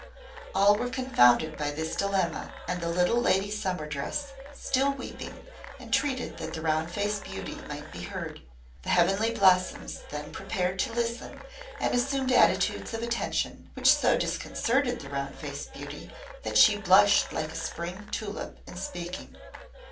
All were confounded by this dilemma, and the little Lady Summer Dress, still weeping, entreated that the Round Faced Beauty might be heard. The Heavenly Blossoms then prepared to listen and assumed attitudes of attention, which so disconcerted the Round Faced Beauty that she blushed like a spring tulip in speaking.